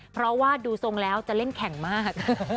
เพราะว่าดูทรงแล้วจะเล่นแข่งมาก